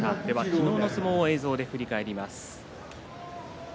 昨日の相撲を振り返ります。